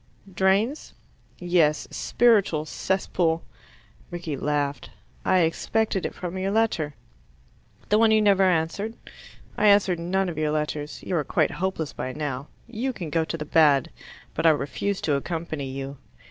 "Drains?" "Yes. A spiritual cesspool." Rickie laughed. "I expected it from your letter." "The one you never answered?" "I answer none of your letters. You are quite hopeless by now. You can go to the bad. But I refuse to accompany you.